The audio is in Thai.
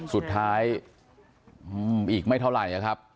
สุดท้ายอีกไม่เท่าไหร่นะครับ